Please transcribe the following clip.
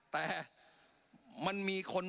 แต่มันมีคน